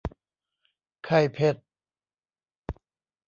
ไข่เผ็ด